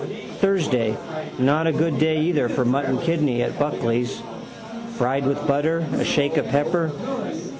Thursday: not a good day either for a mutton kidney at Buckley's. Fried with butter, a shake of pepper.